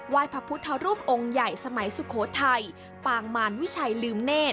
ยพระพุทธรูปองค์ใหญ่สมัยสุโขทัยปางมารวิชัยลืมเนธ